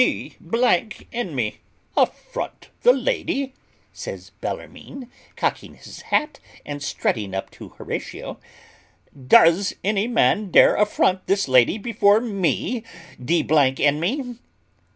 "D n me, affront the lady," says Bellarmine, cocking his hat, and strutting up to Horatio: "does any man dare affront this lady before me, d n me?"